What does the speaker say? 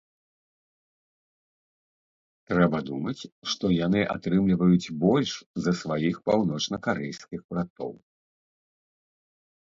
Трэба думаць, што яны атрымліваюць больш за сваіх паўночнакарэйскіх братоў.